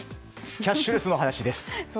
キャッシュレスの話です。